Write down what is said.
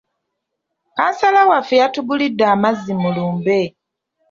Kkansala waffe yatugulidde amazzi mu lumbe.